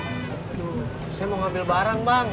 aduh saya mau ngambil barang bang